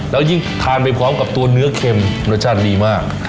แล้วยิ่งทานไปพร้อมกับตัวเนื้อเค็มรสชาติดีมาก